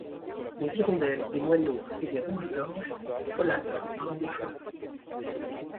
Des hirondelles, des moineaux et des rouges-gorges folâtrent parmi les fleurs.